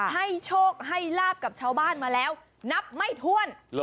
ให้โชคให้ลาบกับชาวบ้านมาแล้วนับไม่ถ้วน